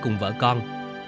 cùng vợ con